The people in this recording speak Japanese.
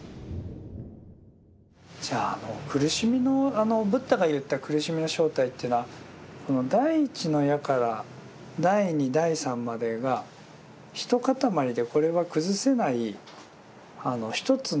じゃああの苦しみのブッダが言った苦しみの正体っていうのは第一の矢から第二第三までが一塊でこれは崩せない一つの矢なんだって思い込んでる。